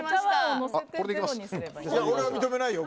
俺は認めないよ。